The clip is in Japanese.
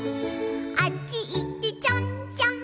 「あっちいってちょんちょん」